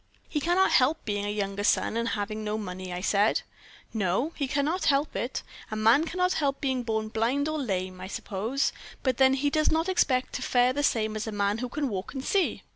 "'He cannot help being a younger son and having no money,' I said. "'No; he cannot help it. A man cannot help being born blind or lame, I suppose; but then he does not expect to fare the same as a man who can walk and see.'